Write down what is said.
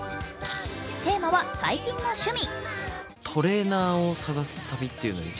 テーマは「最近の趣味」。